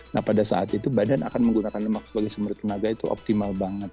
nah pada saat itu badan akan menggunakan lemak sebagai sumber tenaga itu optimal banget